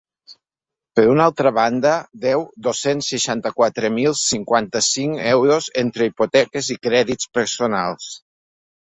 Per una altra banda, deu dos-cents seixanta-quatre mil cinquanta-cinc euros entre hipoteques i crèdits personals.